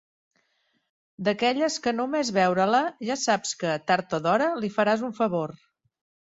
D'aquelles que només veure-la ja saps que, tard o d'hora, li faràs un favor.